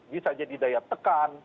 bisa jadi daya tekan